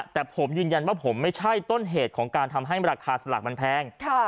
แต่ผมยืนยันว่าผมไม่ใช่ต้นเหตุของการทำให้ราคาสลากมันแพง